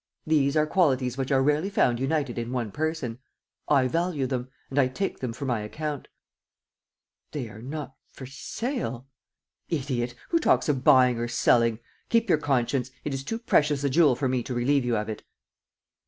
These are qualities which are rarely found united in one person. I value them ... and I take them for my account." "They are not for sale." "Idiot! Who talks of buying or selling? Keep your conscience. It is too precious a jewel for me to relieve you of it."